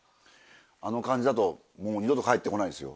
あの感じだともう二度と帰って来ないですよ。